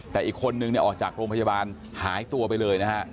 แต่อีกคนนึงเนี่ยออกจากโรงพยาบาลหายตัวไปเลยนะฮะ